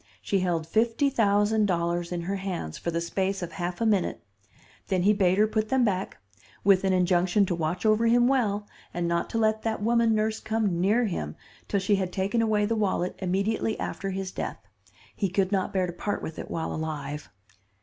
She held fifty thousand dollars in her hands for the space of half a minute; then he bade her put them back, with an injunction to watch over him well and not to let that woman nurse come near him till she had taken away the wallet immediately after his death. He could not bear to part with it while alive.